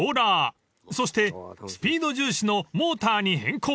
［そしてスピード重視のモーターに変更］